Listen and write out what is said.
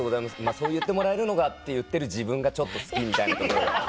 そう言ってもらえるのが」って言ってる自分がちょっと好きみたいなところが。